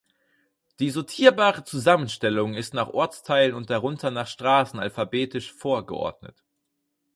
Die sortierbare Zusammenstellung ist nach Ortsteilen und darunter nach Straßen alphabetisch (vor)geordnet.